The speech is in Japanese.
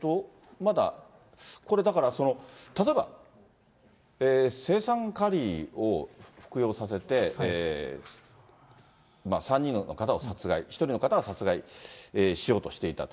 これだからその、例えば青酸カリを服用させて、３人の方を殺害、１人の方を殺害しようとしていたと。